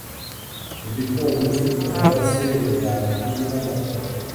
El pico es negruzco con la base de la mandíbula más clara.